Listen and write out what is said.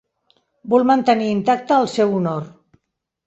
Vol mantenir intacte el seu honor.